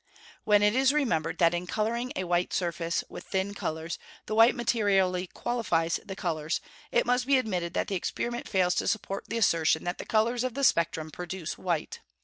When it is remembered that in colouring a white surface with thin colours, the white materially qualifies the colours, it must be admitted that the experiment fails to support the assertion that the colours of the spectrum produce white.